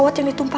dan si buruk rupa